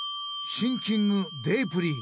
シンキングデープリー。